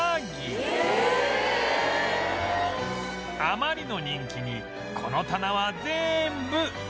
あまりの人気にこの棚は全部おはぎ